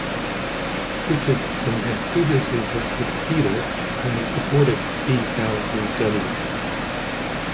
Richardson had previously worked with Feeder when they supported b.l.o.w.